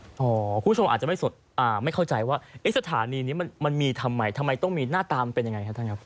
คุณผู้ชมอาจจะไม่เข้าใจว่าสถานีนี้มันมีทำไมทำไมต้องมีหน้าตามเป็นยังไงครับท่านครับ